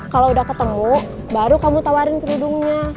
kalau udah ketemu baru kamu tawarin kerudungnya